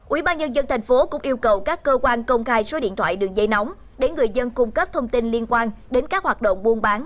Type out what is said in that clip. ubnd tp cũng yêu cầu các cơ quan công khai số điện thoại đường dây nóng để người dân cung cấp thông tin liên quan đến các hoạt động buôn bán